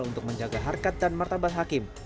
untuk menjaga harkat dan martabat hakim